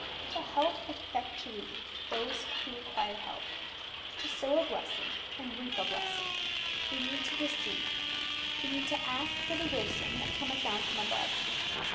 To help effectually those who require help, to sow a blessing and reap a blessing, we need to receive, we need to ask for the wisdom that cometh down from above.